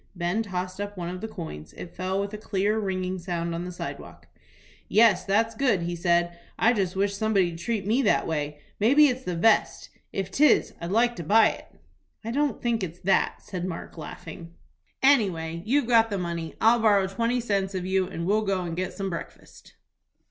Ben tossed up one of the coins. It fell with a clear, ringing sound on the sidewalk. "Yes, that's good," he said. "I just wish somebody'd treat me that way. Maybe it's the vest? If 'tis I'd like to buy it." "I don't think it's that," said Mark, laughing. "Anyway you've got the money. I'll borrow twenty cents of you, and we'll go and get some breakfast."